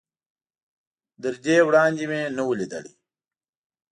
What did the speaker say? تر دې وړاندې مې نه و ليدلی.